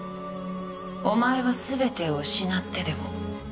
「お前はすべてを失ってでも」